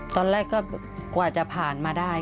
ตอนแรกก็กว่าจะผ่านมาได้